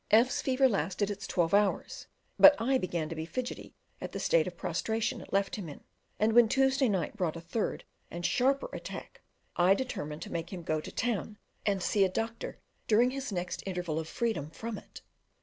F 's fever lasted its twelve hours; but I began to be fidgety at the state of prostration it left him in, and when Tuesday night brought a third and sharper attack, I determined to make him go to town and see a doctor during his next interval of freedom from it.